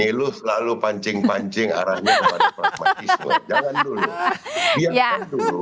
ini lu selalu pancing pancing arahnya kepadamu pragmatisme